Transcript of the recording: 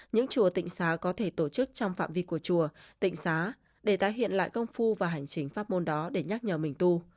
những chùa tịnh xá có thể tổ chức trong phạm vi của chùa tịnh xá để tái hiện lại công phu và hành chính pháp môn đó để nhắc nhờ mình tu